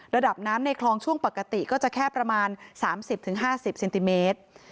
ระดับน้ำในคลองช่วงปกติก็จะแค่ประมาณ๓๐๕๐เซนติเมตร